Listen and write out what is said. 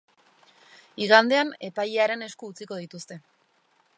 Igandean epailearen esku utziko dituzte.